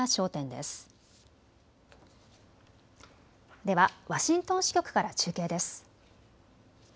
ではワシントン支局から中継です。